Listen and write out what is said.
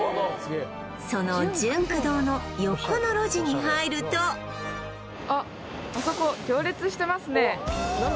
そのジュンク堂の横の路地に入るとあっあそこ行列してますね